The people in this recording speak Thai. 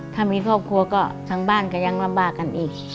ถ้ามีครอบครัวก็ทางบ้านก็ยังลำบากกันอีก